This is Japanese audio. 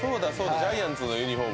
ジャイアンツのユニホーム。